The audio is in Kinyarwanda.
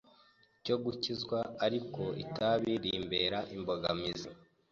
cyo gukizwa ariko itabi rimbera imbogamizi,